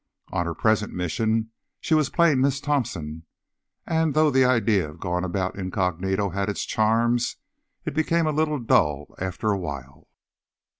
On her present mission, she was plain Miss Thompson and, though the idea of going about incognito had its charms, it became a little dull after awhile.